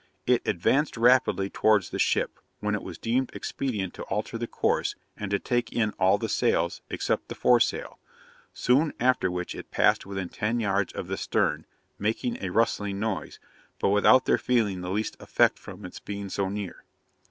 It advanced rapidly towards the ship, when it was deemed expedient to alter the course, and to take in all the sails, except the foresail; soon after which it passed within ten yards of the stern, making a rustling noise, but without their feeling the least effect from its being so near.